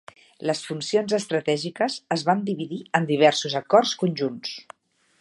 Les funcions estratègiques es van dividir en diversos acords conjunts.